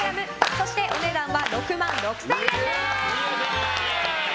そして、お値段は６万６０００円です。